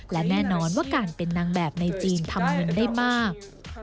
และแน่นอนว่าการเป็นนางแบบในจีนทำเงินได้มาก